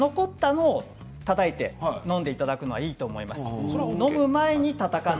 のむときにたたいてのんでいただくのはいいと思います。